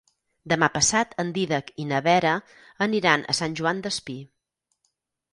Demà passat en Dídac i na Vera aniran a Sant Joan Despí.